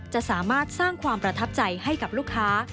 จะสามารถสร้างความประทับใจให้กับลูกค้า